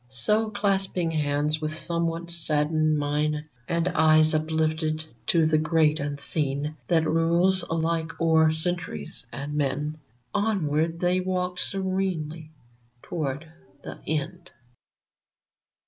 So, clasping hands with somewhat saddened mien, And eyes uplifted to the Great Unseen That rules alike o'er Centuries and men, Onward they walked serenely toward — the End